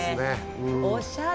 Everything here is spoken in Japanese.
おしゃれ。